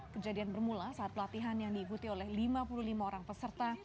kejadian bermula saat pelatihan yang diikuti oleh lima puluh lima orang peserta